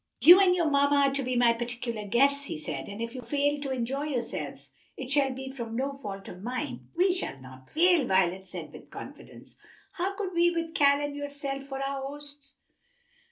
"You and your mamma are to be my particular guests," he said, "and if you fail to enjoy yourselves it shall be from no fault of mine." "We shall not fail," Violet said with confidence. "How could we with Cal and yourself for our hosts?"